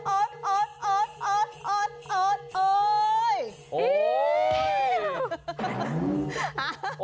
โอ๊ยโอ๊ยโอ๊ยโอ๊ยโอ๊ยโอ๊ยโอ๊ยโอ๊ย